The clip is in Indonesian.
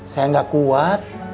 saya gak kuat